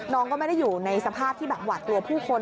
น้องก็ไม่ได้อยู่ในสภาพที่แบบหวาดกลัวผู้คน